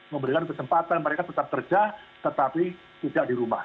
memberikan kesempatan mereka tetap kerja tetapi tidak di rumah